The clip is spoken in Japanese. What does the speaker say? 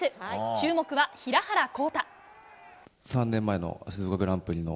注目は平原康多。